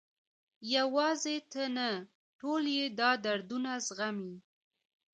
یوازې ته نه، ټول یې دا دردونه زغمي.